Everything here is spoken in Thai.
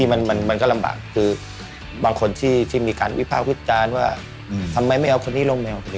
อย่างสหรับคนที่มีความสามารถจังทิ้งกัน